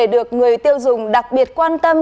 được người tiêu dùng đặc biệt quan tâm